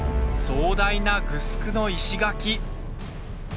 壮大なグスクの石垣。